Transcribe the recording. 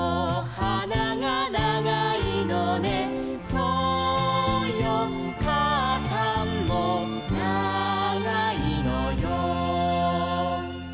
「そうよかあさんもながいのよ」